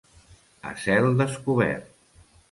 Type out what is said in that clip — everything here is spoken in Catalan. A cel descobert.